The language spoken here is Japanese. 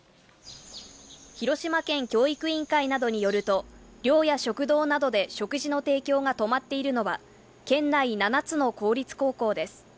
広島県教育委員会などによると、寮や食堂などで食事の提供が止まっているのは、県内７つの公立高校です。